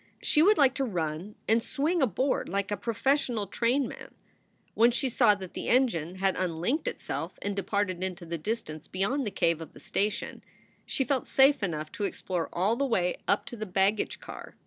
She would like to run and swing aboard like a professional train SOULS FOR SALE 53 man. When she saw that the engine had unlinked itself and departed into the distance beyond the cave of the station, she felt safe enough to explore all the way up to the baggage car.